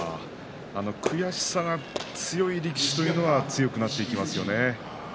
悔しさが強い力士というのは強くなっていきますよね。